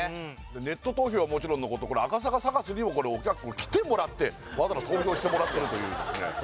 ネット投票はもちろんのことこれ赤坂サカスにも来てもらってわざわざ投票してもらってるというですね